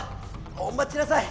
おまちなさい！